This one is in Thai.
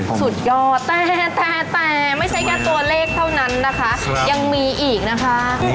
สุดยอดแต่แต่ไม่ใช่แค่ตัวเลขเท่านั้นนะคะยังมีอีกนะคะ